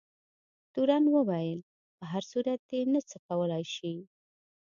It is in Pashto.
تورن وویل په هر صورت دی نه څه کولای شي.